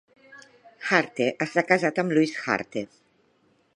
Harte està casat amb Louise Harte.